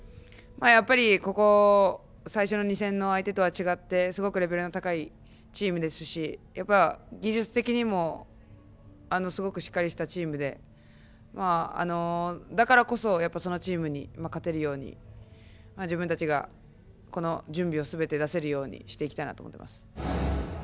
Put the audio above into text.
やっぱり、ここ最初の２戦の相手とは違ってすごくレベルの高いチームですし技術的にもすごくしっかりしたチームでだからこそそのチームにも勝てるように自分たちが準備をすべて出せるようにしていきたいなと思っています。